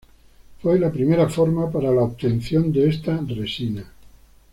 Fue la primera forma para la obtención de esta resina.